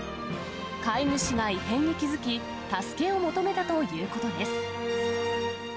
飼い主が異変に気付き、助けを求めたということです。